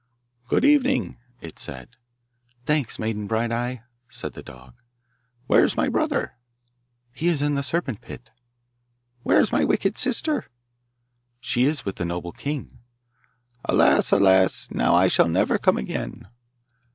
'Good evening,' it said. 'Thanks, Maiden Bright eye,' said the dog. 'Where is my brother?' 'He is in the serpent pit.' 'Where is my wicked sister?' 'She is with the noble king.' 'Alas! alas! now I shall never come again.